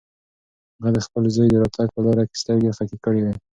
هغه د خپل زوی د راتګ په لاره کې سترګې خښې کړې وې.